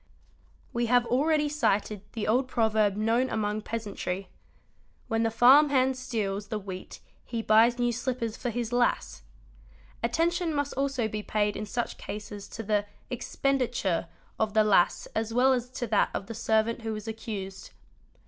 We have already cited the old proverb known among pea DM sie b Md santry :—" When the farmhand steals the wheat he buys new slippers , for his lass': attention must also be paid in such cases to the " expendi | ture' of the lass as well as to that of the servant who is accused.